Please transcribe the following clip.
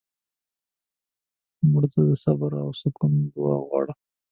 مړه ته د صبر او سکون دعا غواړو